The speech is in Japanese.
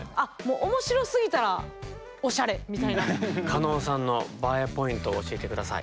加納さんのＢＡＥポイントを教えて下さい。